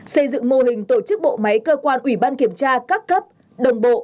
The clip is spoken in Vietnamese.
xây dựng mô hình tổ chức bộ máy cơ quan ủy ban kiểm tra các cấp đồng bộ